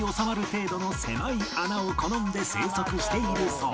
程度の狭い穴を好んで生息しているそう